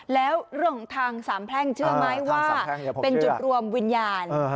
แล้วเรื่องของทางสามแพร่งเชื่อไหมว่าเป็นจุดรวมวิญญาณ